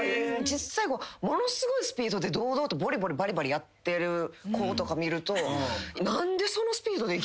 ものすごいスピードで堂々とボリボリバリバリやってる子見ると。